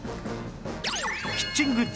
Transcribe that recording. キッチングッズ